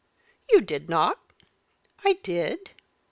"You did not." "I did."